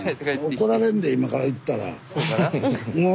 怒られんで今から行ったら。